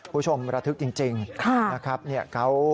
ผู้ชมระทึกจริงนะครับเนี่ยเขา